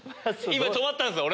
今止まったんすよ。